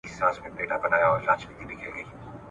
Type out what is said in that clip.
رښتیا ويل او ليکل يو ارزښت دی.